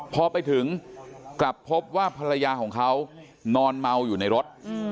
พอไปถึงกลับพบว่าภรรยาของเขานอนเมาอยู่ในรถ